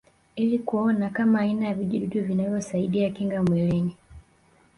Ili kuona kama aina ya vijidudu vinavyosaidia kinga mwilini